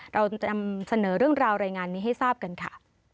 เราจะนำเสนอเรื่องราวรายงานนี้ให้ทราบกันค่ะ